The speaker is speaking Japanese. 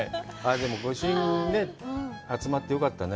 でも、ご朱印ね、集まってよかったね。